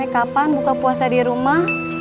kapan buka puasa di rumah